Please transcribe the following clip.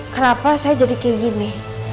kenapa saya jadi kayak gini